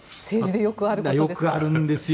よくあるんですよ。